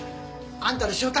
あんたの正体